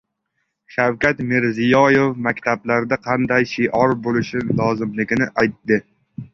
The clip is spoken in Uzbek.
Shavkat Mirziyoyev maktablarda qanday shior bo‘lishi lozimligini aytdi